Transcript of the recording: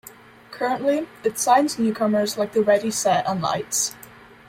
Currently, it signs newcomers like the Ready Set and Lights.